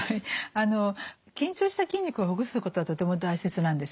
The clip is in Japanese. あの緊張した筋肉をほぐすことはとても大切なんですね。